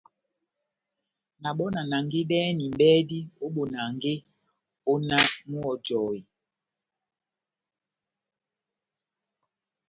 Na bɔ́ na nangedɛhɛni mʼbɛdi ó bonange ó náh múhɔjɔhe.